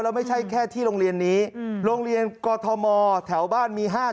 แล้วไม่ใช่แค่ที่โรงเรียนนี้โรงเรียนกอทมแถวบ้านมี๕๗